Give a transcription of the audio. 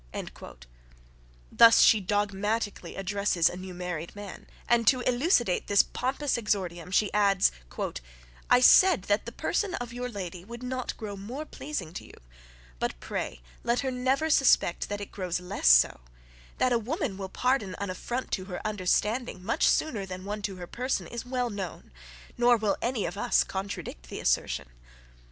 Thus she dogmatically addresses a new married man; and to elucidate this pompous exordium, she adds, "I said that the person of your lady would not grow more pleasing to you, but pray let her never suspect that it grows less so: that a woman will pardon an affront to her understanding much sooner than one to her person, is well known; nor will any of us contradict the assertion.